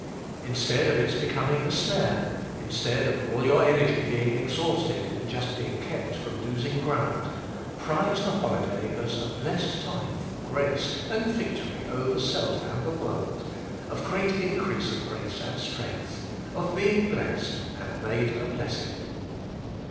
Instead of its becoming a snare, instead of all your energy being exhausted in just being kept from losing ground, prize the holiday as a blessed time for grace and victory over self and the world, of great increase of grace and strength, of being blessed and made a blessing.